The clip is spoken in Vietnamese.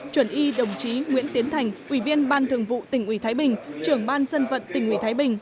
chuẩn y đồng chí nguyễn tiến thành ủy viên ban thường vụ tỉnh ủy thái bình trưởng ban dân vận tỉnh ủy thái bình